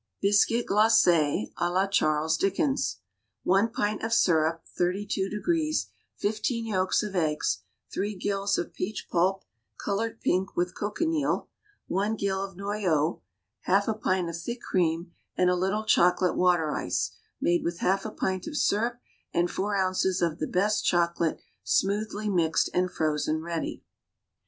BISCUIT GLACÉ À LA CHARLES DICKENS. One pint of syrup (32°), fifteen yolks of eggs, three gills of peach pulp, colored pink with cochineal, one gill of noyeau, half a pint of thick cream, and a little chocolate water ice, made with half a pint of syrup and four ounces of the best chocolate smoothly mixed and frozen ready.